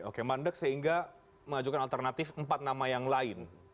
oke mandek sehingga mengajukan alternatif empat nama yang lain